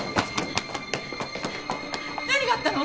何があったの！？